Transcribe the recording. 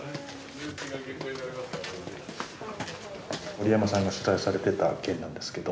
モリヤマさんが取材されてた件なんですけど。